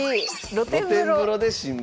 露天風呂で新聞。